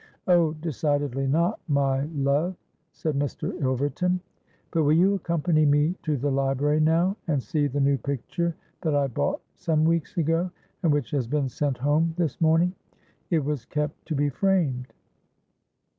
'—'Oh! decidedly not, my love,' said Mr. Ilverton. 'But will you accompany me to the library now, and see the new picture that I bought some weeks ago, and which has been sent home this morning? It was kept to be framed.'